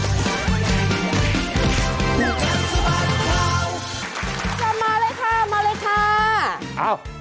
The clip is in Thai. กลับมาเลยค่ะมาเลยค่ะ